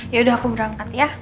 ya udah aku berangkat ya